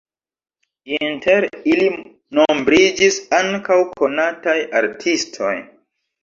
Inter ili nombriĝis ankaŭ konataj artistoj.